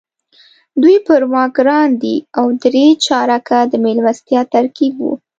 دوی پر ما ګران دي او درې چارکه د میلمستیا ترکیب وو.